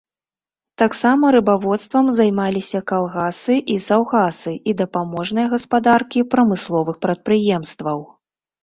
Таксама рыбаводствам займаліся калгасы і саўгасы і дапаможныя гаспадаркі прамысловых прадпрыемстваў.